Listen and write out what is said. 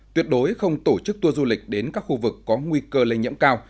tuyệt đối không tổ chức tour du lịch đến các khu vực có nguy cơ lây nhiễm cao